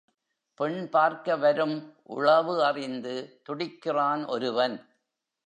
பெண்பார்க்க வரும் உளவு அறிந்து துடிக்கிறான் ஒருவன்.